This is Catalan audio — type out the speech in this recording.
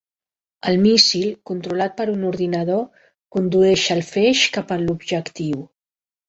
El míssil, controlat per un ordinador, "condueix" el feix cap a l'objectiu.